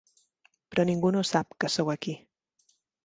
Però ningú no sap que sou aquí.